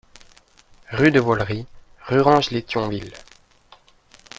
Rue de Vaulry, Rurange-lès-Thionville